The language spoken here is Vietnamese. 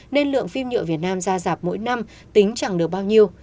nên lượng phim nhựa việt nam ra rạp mỗi năm tính chẳng được bao nhiêu